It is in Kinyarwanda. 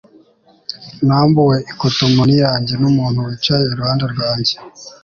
Nambuwe ikotomoni yanjye numuntu wicaye iruhande rwanjye